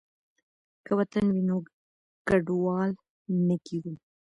که وطن وي نو کډوال نه کیږو.